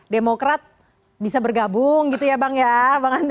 demokrat bisa bergabung